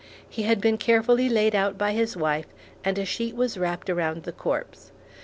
He had been carefully laid out by his wife, and a sheet was wrapped around the corpse.